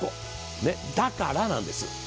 だからなんです。